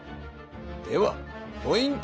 ではポイント